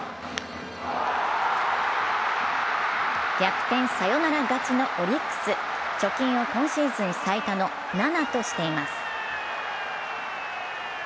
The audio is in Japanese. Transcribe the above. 逆転サヨナラ勝ちのオリックス、貯金を今シーズン最多の７としています。